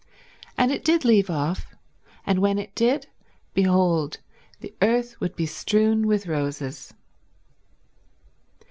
And it did leave off; and when it did, behold the earth would be strewn with roses.